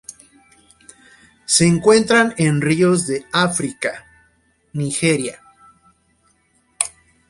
Se encuentran en ríos de África: Nigeria.